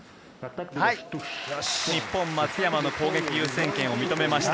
日本、松山の攻撃、優先権を認めました。